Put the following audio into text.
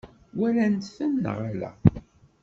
Walant-ten neɣ ala?